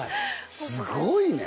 すごいね。